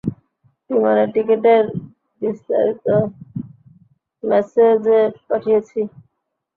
বিমানের টিকেটের বিস্তারিত মেসেজে পাঠিয়েছি।